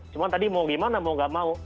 cuma tadi mau gimana mau gak mau